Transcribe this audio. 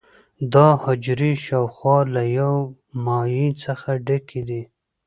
دا حجرې شاوخوا له یو مایع څخه ډکې دي.